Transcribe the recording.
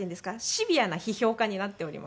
シビアな批評家になっております。